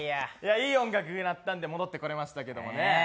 いい音楽だったんで戻ってこれましたけれどもね。